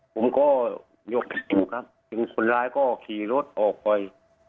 ผมก็ยกทุกตุกครับจึงคนร้ายก็ขี่รถออกไว้